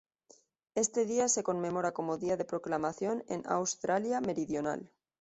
Este día se conmemora como Día de Proclamación en Australia Meridional.